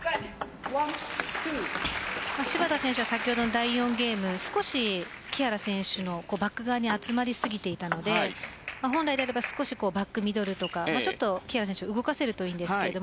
芝田選手は先ほどの第４ゲーム少し木原選手のバック側に集まりすぎていたので本来であれば少しバックミドルとかちょっと木原選手動かせるといいんですけれど。